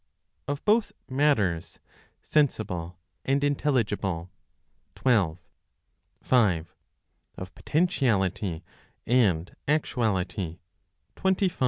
(Of both Matters) (Sensible and Intelligible), 12. 5. Of Potentiality and Actuality, 25. 6.